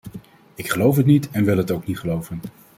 Ik geloof het niet en wil het ook niet geloven.